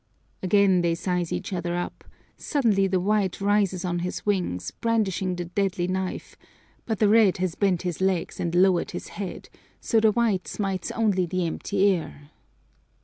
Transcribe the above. Again they size each other up: suddenly the white rises on his wings, brandishing the deadly knife, but the red has bent his legs and lowered his head, so the white smites only the empty air..